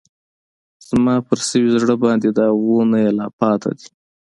زما پر سوي زړه باندې داغونه یې لا پاتی دي